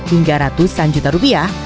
hingga ratusan juta rupiah